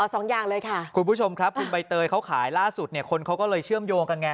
สองอย่างเลยค่ะคุณผู้ชมครับคุณใบเตยเขาขายล่าสุดเนี่ยคนเขาก็เลยเชื่อมโยงกันไง